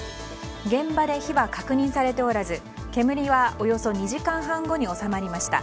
現場で火は確認されておらず煙はおよそ２時間半後に収まりました。